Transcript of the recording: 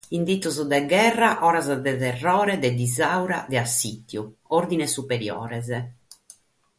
Inditos de gherra, oras de terrore, de disaura, de assìtiu. Òrdines superiores.